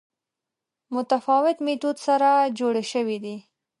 متفاوت میتود سره جوړې شوې دي